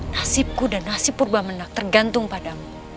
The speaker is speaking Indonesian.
nasibku dan nasib purwamana tergantung padamu